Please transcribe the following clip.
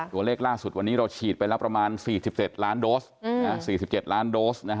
ตัวเลขล่าสุดวันนี้เราฉีดไปแล้วประมาณ๔๗ล้านโดส๔๗ล้านโดส